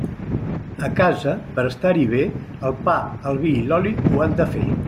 A casa, per estar-hi bé, el pa, el vi i l'oli ho han de fer.